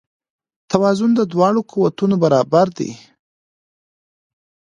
توازن د دواړو قوتونو برابري ده.